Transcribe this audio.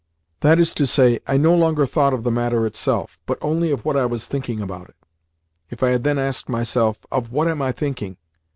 That is to say, I no longer thought of the matter itself, but only of what I was thinking about it. If I had then asked myself, "Of what am I thinking?"